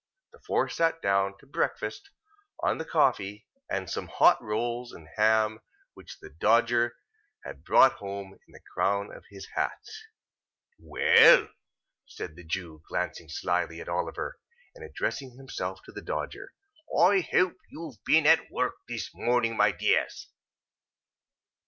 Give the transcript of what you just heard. The four sat down, to breakfast, on the coffee, and some hot rolls and ham which the Dodger had brought home in the crown of his hat. "Well," said the Jew, glancing slyly at Oliver, and addressing himself to the Dodger, "I hope you've been at work this morning, my dears?"